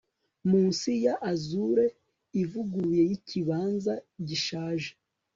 Munsi ya azure ivuguruye yikibanza gishaje